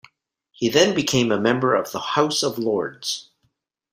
He then became a member of the House of Lords.